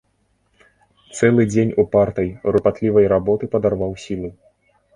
Цэлы дзень упартай, рупатлівай работы падарваў сілы.